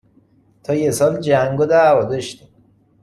تا یه سال جنگ و دعوا داشتیم